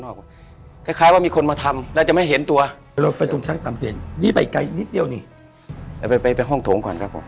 นอกรูข้าว่ามีคนมาทำแล้วจะไม่เห็นตัวรอไปตรงชั้นตามเสียงนี้ไปไกลนิดเดียวนี่แล้วไปห้องโถง